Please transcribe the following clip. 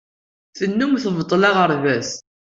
Tennum tbeṭṭel aɣerbaz.